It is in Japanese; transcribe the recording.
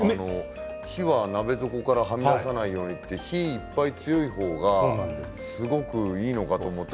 火は鍋底からはみ出さないようにって火いっぱい強い方がすごくいいのかと思っていた。